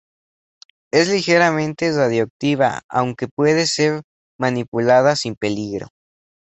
Es ligeramente radioactiva, aunque puede ser manipulada sin peligro.